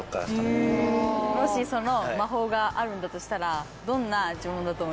もしその魔法があるんだとしたら。